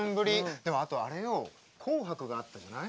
でもあとあれよ「紅白」があったじゃない。